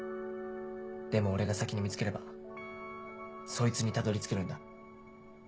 でも俺が先に見つければそいつにたどり着けるんだ。